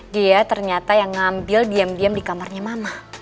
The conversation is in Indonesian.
dia ternyata yang ngambil diam diam di kamarnya mama